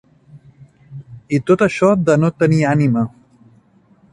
I tot això de no tenir ànima.